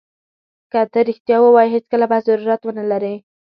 که ته رښتیا ووایې هېڅکله به ضرورت ونه لرې.